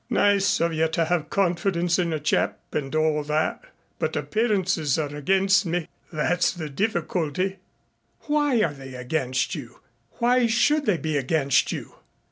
"Nice of you to have confidence in a chap and all that, but appearances are against me that's the difficulty." "Why are they against you? Why should they be against you?